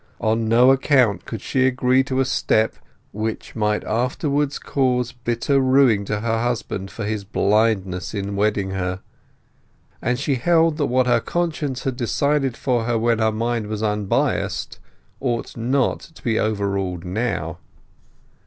On no account could she agree to a step which might afterwards cause bitter rueing to her husband for his blindness in wedding her. And she held that what her conscience had decided for her when her mind was unbiassed ought not to be overruled now.